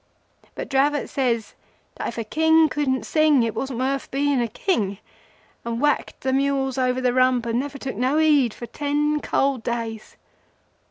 But Dravot says that if a King couldn't sing it wasn't worth being King, and whacked the mules over the rump, and never took no heed for ten cold days.